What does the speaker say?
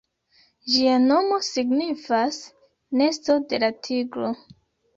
Ĝia nomo signifas "Nesto de la Tigro".